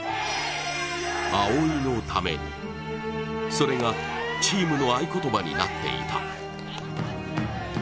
それがチームの合言葉になっていた。